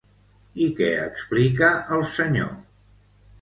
I què explica el senyor?